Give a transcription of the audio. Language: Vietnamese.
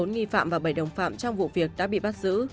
bốn nghi phạm và bảy đồng phạm trong vụ việc đã bị bắt giữ